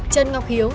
trần ngọc hiếu